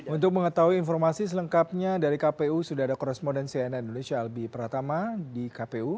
untuk mengetahui informasi selengkapnya dari kpu sudah ada korespondensi nn indonesia albi pratama di kpu